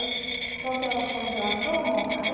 東京・六本木は今日も晴れ。